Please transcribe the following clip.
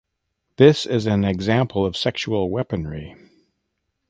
This is an example of sexual weaponry.